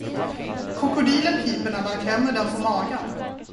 Krokodilen piper när man klämmer den på magen.